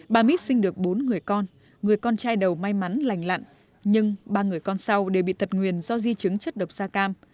bà mít sinh được bốn người con người con trai đầu may mắn lành lặn nhưng ba người con sau đều bị tật nguyền do di chứng chất độc da cam